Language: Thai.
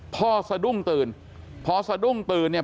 สะดุ้งตื่นพอสะดุ้งตื่นเนี่ย